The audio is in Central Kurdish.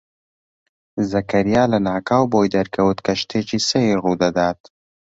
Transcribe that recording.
زەکەریا لەناکاو بۆی دەرکەوت کە شتێکی سەیر ڕوو دەدات.